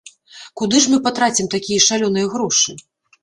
Куды ж мы патрацім такія шалёныя грошы?